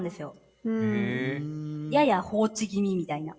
やや放置気味みたいな。